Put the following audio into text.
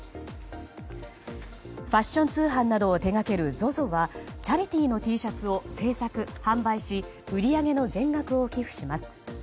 ファッション通販などを手掛けるＺＯＺＯはチャリティーのＴシャツを製作・販売し売り上げの全額を寄付します。